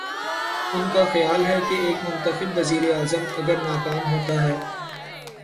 ان کا خیال ہے کہ ایک منتخب وزیراعظم اگر ناکام ہو تا ہے۔